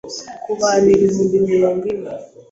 ku bantu ibihumbi mirongo ine